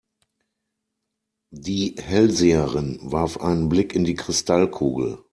Die Hellseherin warf einen Blick in die Kristallkugel.